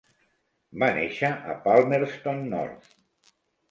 Va néixer a Palmerston North.